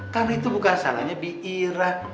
kan itu bukan salahnya bira